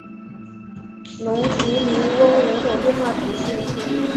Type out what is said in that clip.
龙提尼翁人口变化图示